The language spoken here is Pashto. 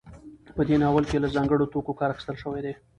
په دې ناول کې له ځانګړو توکو کار اخیستل شوی دی.